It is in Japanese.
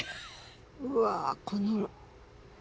うわこのね。